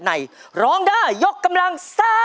ในร้องด้ายกำลัง